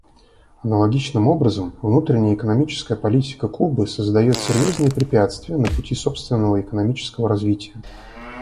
Аналогичным образом, внутренняя экономическая политика Кубы создает серьезные препятствия на пути собственного экономического развития.